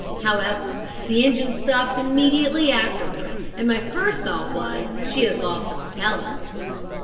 However, the engines stopped immediately afterward, and my first, thought was, 'She has lost a propeller.'